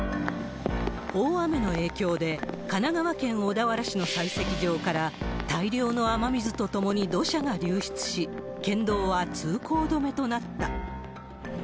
大雨の影響で神奈川県小田原市の採石場から、大量の雨水と共に土砂が流出し、県道は通行止めとなった。